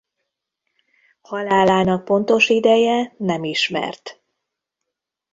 Halálának pontos ideje nem ismert.